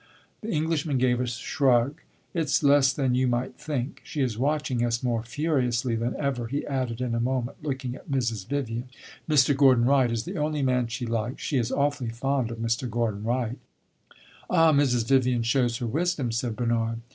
The Englishman gave a shrug. "It 's less than you might think. She is watching us more furiously than ever," he added, in a moment, looking at Mrs. Vivian. "Mr. Gordon Wright is the only man she likes. She is awfully fond of Mr. Gordon Wright." "Ah, Mrs. Vivian shows her wisdom!" said Bernard.